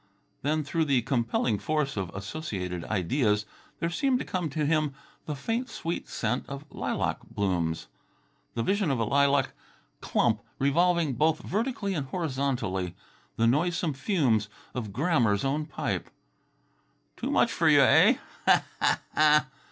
Then, through the compelling force of associated ideas, there seemed to come to him the faint sweet scent of lilac blossoms ... the vision of a lilac clump revolving both vertically and horizontally ... the noisome fumes of Grammer's own pipe. "Too much for you, eh? Ha, ha, ha!"